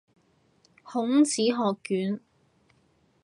孔子學院